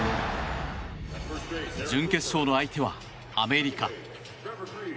準決勝の相手はアメリカ。